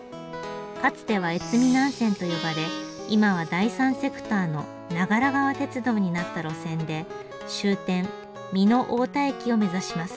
かつては越美南線と呼ばれ今は第三セクターの長良川鉄道になった路線で終点美濃太田駅を目指します。